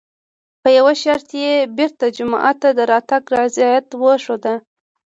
په یوه شرط یې بېرته جومات ته د راتګ رضایت وښود.